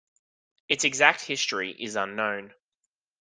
Its exact history is unknown.